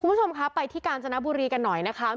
คุณผู้ชมคะไปที่กาญจนบุรีกันหน่อยนะคะ